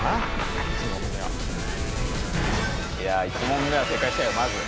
１問目は正解したいよ。